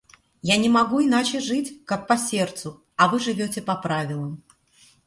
Я не могу иначе жить, как по сердцу, а вы живете по правилам.